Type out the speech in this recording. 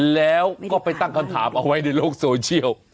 แล้วก็ไปตั้งคำถามเอาไว้ในโลกโซเชียล